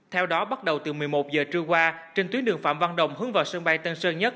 theo đó bắt đầu từ một mươi một giờ trưa qua trên tuyến đường phạm văn đồng hướng vào sân bay tân sơn nhất